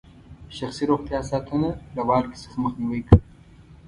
شخصي روغتیا ساتنه له والګي څخه مخنیوي کوي.